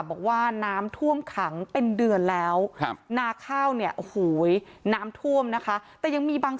บอกว่าน้ำท่วมขังเป็นเดือนแล้วครับ